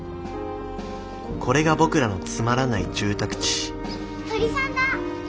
これが僕らのつまらない住宅地鳥さんだ。